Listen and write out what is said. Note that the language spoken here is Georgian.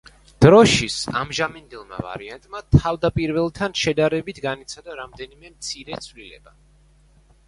დროშის ამჟამინდელმა ვარიანტმა, თავდაპირველთან შედარებით განიცადა რამდენიმე მცირე ცვლილება.